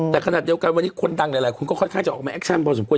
แต่ขนาดเดียวกันวันนี้คนดังหลายคนก็ค่อนข้างจะออกมาแคคชั่นพอสมคว